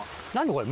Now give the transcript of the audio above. これ。